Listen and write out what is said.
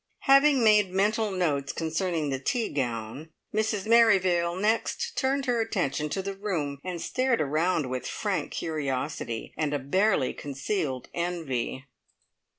Having made mental notes concerning the tea gown, Mrs Merrivale next turned her attention to the room, and stared around with frank curiosity and a barely concealed envy.